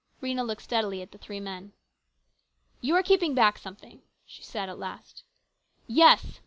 Rhena looked steadily at the three men. " You are keeping back something," she said at last. " Yes